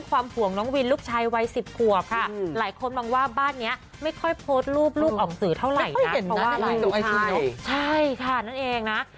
ก็คิดว่าอย่าหลีดูออกไหมว่า